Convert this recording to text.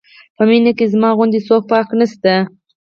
په مینه کې زما غوندې څوک پاک نه شته.